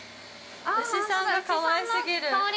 牛さんがかわいすぎる◆